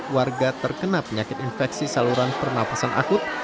tiga puluh warga terkena penyakit infeksi saluran pernafasan akut